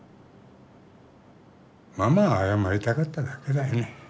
ママは謝りたかっただけだよね